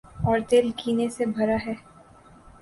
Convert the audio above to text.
اوردل کینے سے بھراہے۔